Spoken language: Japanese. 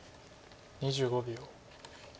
２５秒。